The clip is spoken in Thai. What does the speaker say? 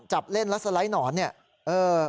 จับเล่นแล้วสไลด์หนอนเนี่ย